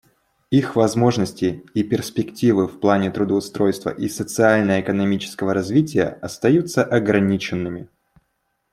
Их возможности и перспективы в плане трудоустройства и социально-экономического развития остаются ограниченными.